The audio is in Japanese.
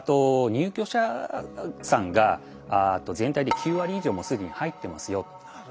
入居者さんが全体で９割以上も既に入ってますよ。